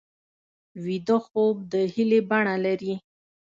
ویده خوب د هیلې بڼه لري